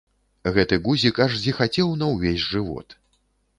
Гэты гузік аж зіхацеў на ўвесь жывот.